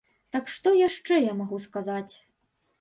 Так, што яшчэ я магу сказаць?